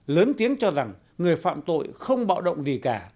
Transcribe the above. lớn tiếng cho rằng người phạm tội không bạo động gì cả